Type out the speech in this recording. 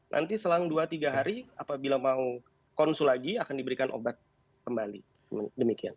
nanti selang dua tiga hari apabila mau konsul lagi akan diberikan obat kembali demikian